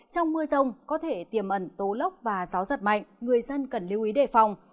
trong mưa rông có thể tiềm ẩn tố lốc và gió giật mạnh người dân cần lưu ý đề phòng